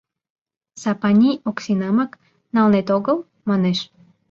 Сапаний Оксинамак налнет огыл? — манеш.